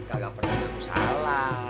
kagak pernah berusaha